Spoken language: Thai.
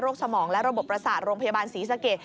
สมองและระบบประสาทโรงพยาบาลศรีสะเกด